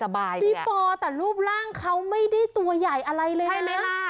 ปีฟรแต่รูปร่างเขาไม่ได้ตัวใหญ่อะไรเลยนะ